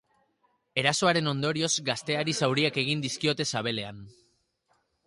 Erasoaren ondorioz, gazteari zauriak egin dizkiote sabelean.